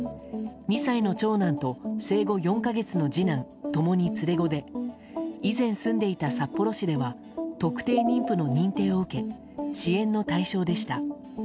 ２歳の長男と生後４か月の次男共に連れ子で以前住んでいた札幌市では特定妊婦の認定を受け支援の対象でした。